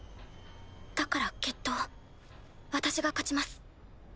だから決闘私が勝ちます。